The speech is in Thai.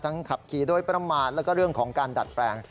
ขับขี่โดยประมาทแล้วก็เรื่องของการดัดแปลง